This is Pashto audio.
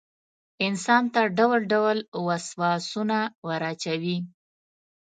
انسان ته ډول ډول وسواسونه وراچوي.